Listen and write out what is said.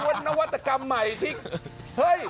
มันเป็นวันนวัฒนากรรมใหม่ที่